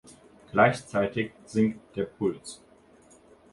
Gleichzeitig sinkt der Puls.